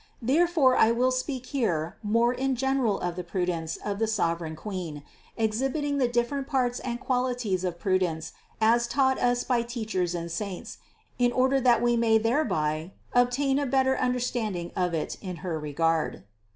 Therefore I will speak here more in general of the prudence of the sovereign Queen, exhibiting the different parts and qual ities of prudence as taught us by teachers and saints, in order that we may thereby obtain a better understanding of it in her regard.